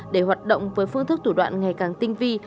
để hoạt động với phương thức thủ đoạn ngày càng tinh vi